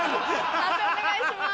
判定お願いします。